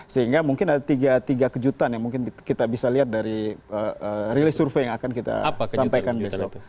sehingga mungkin ada tiga kejutan yang mungkin kita bisa lihat dari rilis survei yang akan kita sampaikan besok